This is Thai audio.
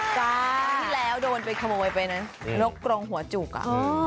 ดีแล้วโดนโดนไปขโมยนี่แน็ตกลงหัวจุกตายอ๋อ